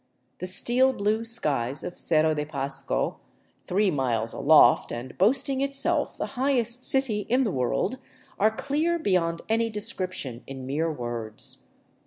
The steel blue skies of Cerro de Pasco, three miles aloft and boasting itself the highest city in the world, are clear beyond any description in mere words.